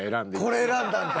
これ選んだんか。